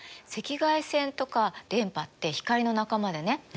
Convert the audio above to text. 赤外線とか電波って光の仲間でね